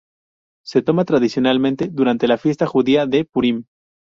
Se toma tradicionalmente durante la fiesta judía de Purim.